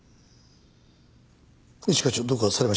一課長どうかされましたか？